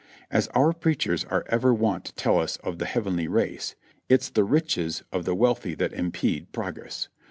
As our preachers are ever wont to tell us of the "heavenly race," it's the riches of the wealthy that impede progress.